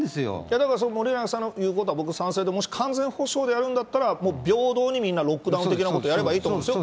だから森永さんのいうことは僕、賛成で、もし完全補償であるんだったら、もう平等にみんなロックダウン的なことをやればいいと思うんですよ。